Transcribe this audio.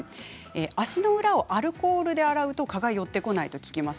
足の裏をアルコールで洗うと蚊が寄ってこないと聞きます。